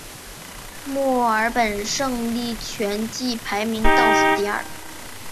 墨尔本胜利全季排名倒数第二。